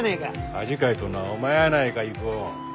恥かいとんのはお前やないか郁夫。